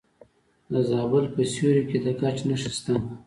د زابل په سیوري کې د ګچ نښې شته.